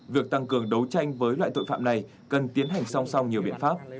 việc tăng cường đấu tranh với loại tội phạm này cần tiến hành song song nhiều biện pháp